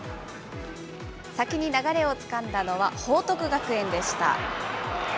先に流れをつかんだのは報徳学園でした。